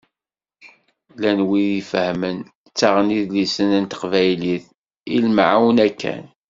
Llan wid ifehmen, ttaɣen idlisen n teqbaylit, i lemɛawna kan.